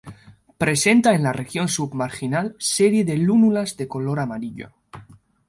Presenta en la región submarginal serie de lúnulas de color amarillo.